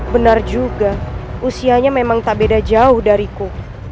benar juga usianya memang tak beda jauh dariku